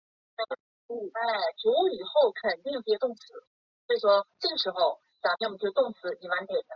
蒙特龙勒沙托。